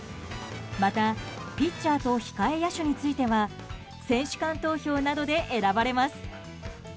またピッチャーと控え野手については選手間投票などで選ばれます。